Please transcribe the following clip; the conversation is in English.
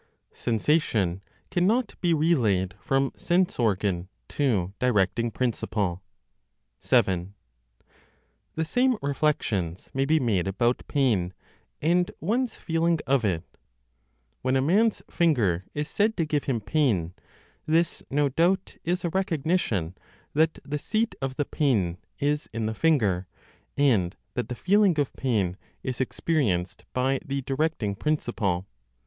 SENSATION CANNOT BE RELAYED FROM SENSE ORGAN TO DIRECTING PRINCIPLE. 7. The same reflections may be made about pain, and one's feeling of it. When a man's finger is said to give him pain, this, no doubt, is a recognition that the seat of the pain is in the finger, and that the feeling of pain is experienced by the directing principle.